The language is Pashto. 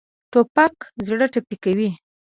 توپک زړه ټپي کوي.